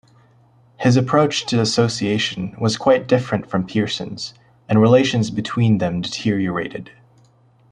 His approach to association was quite different from Pearson's and relations between them deteriorated.